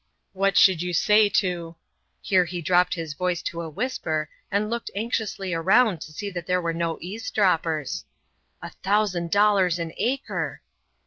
What should you say to" [here he dropped his voice to a whisper and looked anxiously around to see that there were no eavesdroppers,] "a thousand dollars an acre!